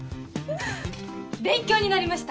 勉強になりました